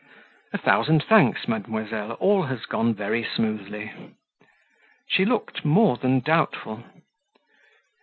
"A thousand thanks, mademoiselle, all has gone very smoothly." She looked more than doubtful.